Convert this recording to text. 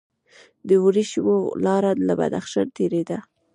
د ورېښمو لاره له بدخشان تیریده